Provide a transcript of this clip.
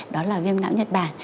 đó là viêm não nhật bản